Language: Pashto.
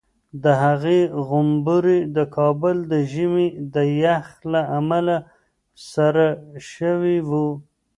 د هغې غومبوري د کابل د ژمي د یخ له امله سره شوي وو.